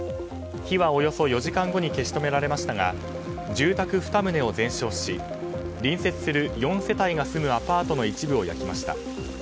火はおよそ４時間後に消し止められましたが住宅２棟を全焼し隣接する４世帯が住むアパートの一部を焼きました。